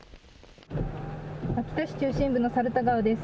秋田市中心部の猿田川です。